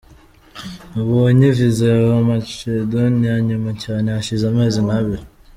Nabonye viza ya Macedonia nyuma cyane hashize amezi nk’abiri.